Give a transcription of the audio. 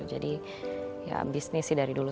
jadi ya bisnis sih dari dulu